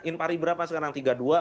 infari berapa sekarang